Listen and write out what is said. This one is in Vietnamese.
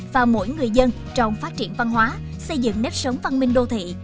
và mỗi người dân trong phát triển văn hóa xây dựng nếp sống văn minh đô thị